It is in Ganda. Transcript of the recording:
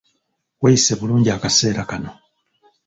Weeyise bulungi akaseera kano.